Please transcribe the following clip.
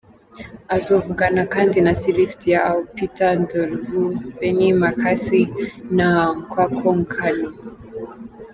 Azovugana kandi na Salif Diao, Peter Ndlovu, Benni McCarthy na Nwankwo Kanu.